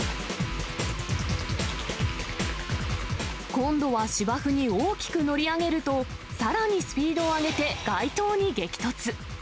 今度は芝生に大きく乗り上げると、さらにスピードを上げて、外灯に激突。